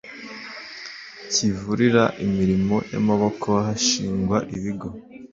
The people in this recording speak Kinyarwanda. kivurira imirimo y amaboko hashingwa ibigo